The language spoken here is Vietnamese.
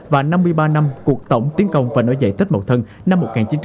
và năm mươi ba năm cuộc tổng tiến công và nổi dậy tết mậu thân năm một nghìn chín trăm năm mươi